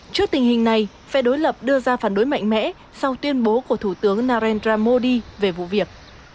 trước tình hình này phe đối lập đưa ra phản đối mạnh mẽ sau tuyên bố của thủ tướng narendra modi về vụ việc